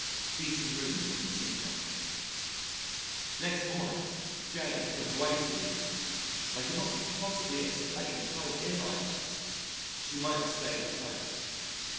Decent rooms on the sea front. Next morning J went away for the week end and I could not possibly explain how ill I was: she might have stayed at home.